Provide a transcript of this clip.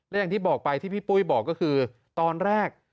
และอย่างที่บอกไปที่พี่ปุ้ยบอกก็คือตอนแรก